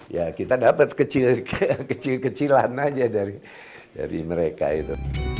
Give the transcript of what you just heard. ya kita dapat kecil kecilan aja dari mereka itu